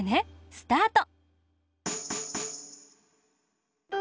スタート！